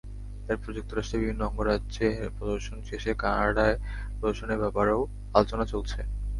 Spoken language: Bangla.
এরপর যুক্তরাষ্ট্রের বিভিন্ন অঙ্গরাজ্যে প্রদর্শন শেষে কানাডায় প্রদর্শনের ব্যাপারেও আলোচনা চলছে।